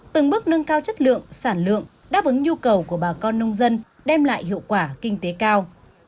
từng bước nâng cao chất lượng sản lượng đáp ứng nhu cầu của bà con nông dân đem lại hiệu quả kinh tế cao